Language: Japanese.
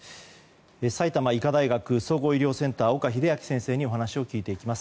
埼玉医科大学総合医療センター岡秀昭先生にお話を聞いていきます。